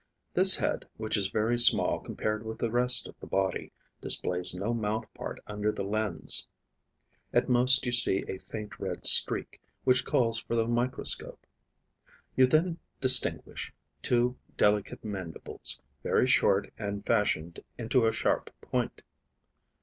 This head, which is very small compared with the rest of the body, displays no mouth part under the lens; at most you see a faint red streak, which calls for the microscope. You then distinguish two delicate mandibles, very short and fashioned into a sharp point.